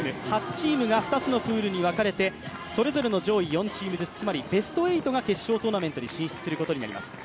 ８チームが２つのプールに分かれてそれぞれの上位４チームずつ、つまりベスト８が決勝トーナメントに進出することになります。